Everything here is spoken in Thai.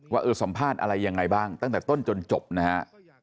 เออสัมภาษณ์อะไรยังไงบ้างตั้งแต่ต้นจนจบนะฮะ